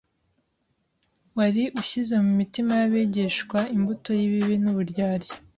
wari ushyize mu mitima y'abigishwa imbuto y'ibibi n'uburyarya